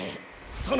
殿！